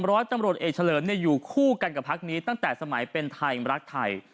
ร้อยตำรวจเอกเฉลิมอยู่คู่กันกับพักนี้ตั้งแต่สมัยเป็นไทยรักไทย